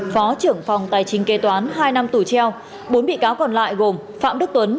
phó trưởng phòng tài chính kế toán hai năm tù treo bốn bị cáo còn lại gồm phạm đức tuấn